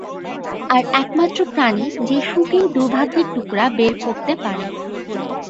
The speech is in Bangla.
আর একমাত্র প্রাণী যে শুঁকেই দুর্ভাগ্যের টুকরা বের করতে পারে।